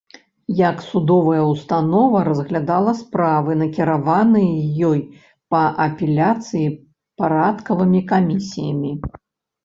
Як судовая ўстанова разглядала справы, накіраваныя ёй па апеляцыі парадкавымі камісіямі.